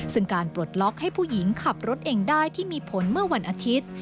ซึ่งการปลดล็อกให้ผู้หญิงขับรถเองได้ที่มีผลเมื่อวันอาทิตย์